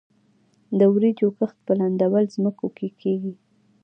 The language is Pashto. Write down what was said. د وریجو کښت په لندبل ځمکو کې کیږي.